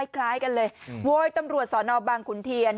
คล้ายกันเลยโวยตำรวจสอนอบางขุนเทียน